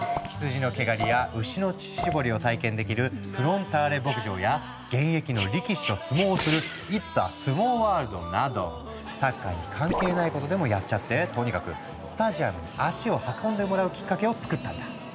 羊の毛刈りや牛の乳搾りを体験できる「フロンターレ牧場」や現役の力士と相撲をするサッカーに関係ないことでもやっちゃってとにかくスタジアムに足を運んでもらうきっかけをつくったんだ。